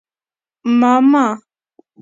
_ما، ما